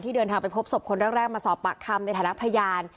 เดินทางไปพบศพคนแรกมาสอบปากคำในฐานะพยาน